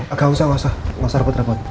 enggak usah enggak usah enggak usah repot repot